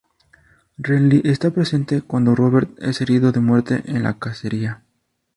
Renly está presente cuando Robert es herido de muerte en la cacería.